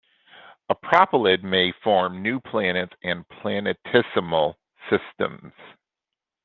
A proplyd may form new planets and planetesimal systems.